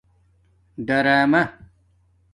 ڈآرمہ